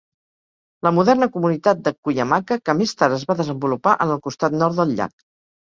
La moderna comunitat de Cuyamaca, que més tard es va desenvolupar en el costat nord del llac.